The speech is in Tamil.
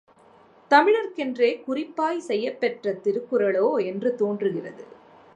தமிழர்க்கென்றே குறிப்பாய் செய்யப்பெற்ற திருக்குறளோ என்று தோன்றுகிறது.